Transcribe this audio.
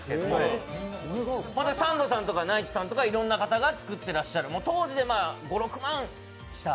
サンドさんとかナイツさんとか、いろんな方が作ってらっしゃる当時で５６万した。